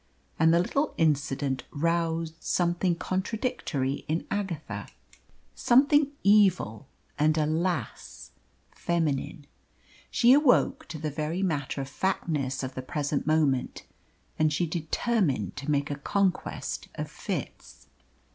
And the little incident roused something contradictory in Agatha something evil and, alas! feminine. She awoke to the very matter of factness of the present moment, and she determined to make a conquest of Fitz.